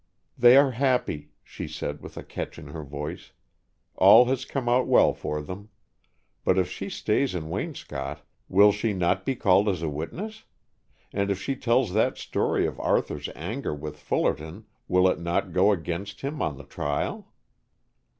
"They are happy," she said, with a catch in her voice. "All has come out well for them. But if she stays in Waynscott, will she not be called as a witness? And if she tells that story of Arthur's anger with Fullerton will it not go against him on the trial?"